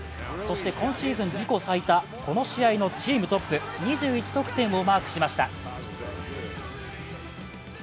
そして、今シーズン自己最多この試合のチームトップ２１得点をマークしました。